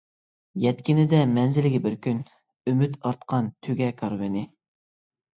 يەتكىنىدە مەنزىلگە بىر كۈن، ئۈمىد ئارتقان تۆگە كارۋىنى.